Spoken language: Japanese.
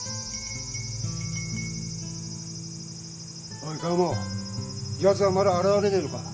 おいカモ奴はまだ現れねえのか？